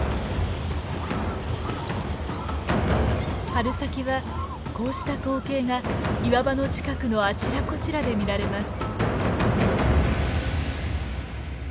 春先はこうした光景が岩場の近くのあちらこちらで見られます。